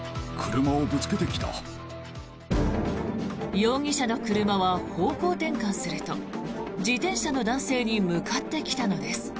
容疑者の車は方向転換すると自転車の男性に向かってきたのです。